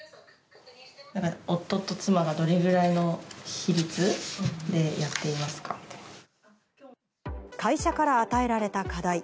夫と妻がどれぐらいの比率で会社から与えられた課題。